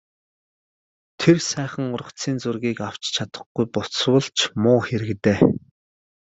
Тэр сайхан ургацын зургийг нь авч чадахгүй буцвал ч муу хэрэг дээ...